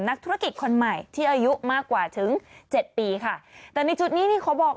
นักธุรกิจคนใหม่ที่อายุมากกว่าถึงเจ็ดปีค่ะแต่ในจุดนี้นี่ขอบอก